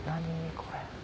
これ。